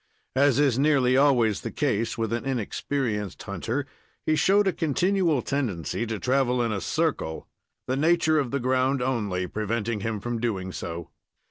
As is nearly always the case with an inexperienced hunter, he showed a continual tendency to travel in a circle, the nature of the ground only preventing him from doing so.